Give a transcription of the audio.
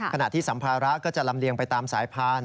ขณะที่สัมภาระก็จะลำเลียงไปตามสายพาน